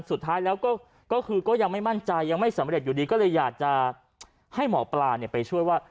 สุดท้ายแล้วก็คือก็ยังไม่มั่นใจยังไม่สำเร็จอยู่ดีก็เลยอยากจะให้หมอปลาไปช่วยว่า